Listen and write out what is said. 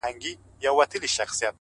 o ما ستا په شربتي سونډو خمار مات کړی دی،